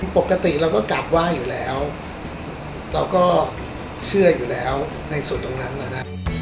ปกติเราก็กลับไหว้อยู่แล้วเราก็เชื่ออยู่แล้วในส่วนตรงนั้นนะฮะ